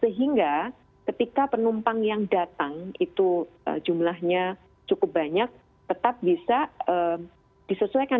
sehingga ketika penumpang yang datang itu jumlahnya cukup banyak tetap bisa disesuaikan